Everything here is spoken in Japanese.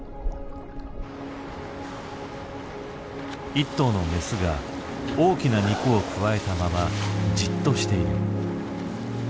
１頭のメスが大きな肉をくわえたままじっとしている。